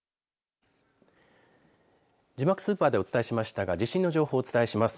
字幕スーパーでお伝えしまたが地震の情報をお伝えします。